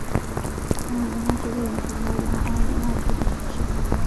埃武拉是位于葡萄牙埃武拉区的城市。